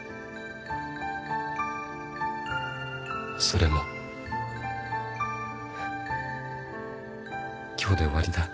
それも今日で終わりだ。